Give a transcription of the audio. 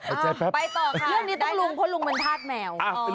ไปต่อค่ะเรื่องนี้ต้องลุงเพราะลุงเป็นธาตุแมว